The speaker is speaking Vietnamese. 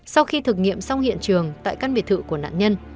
sau khi thực nghiệm xong hiện trường tại căn biệt thự của nạn nhân